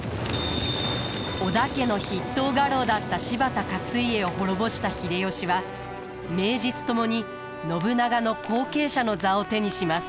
織田家の筆頭家老だった柴田勝家を滅ぼした秀吉は名実ともに信長の後継者の座を手にします。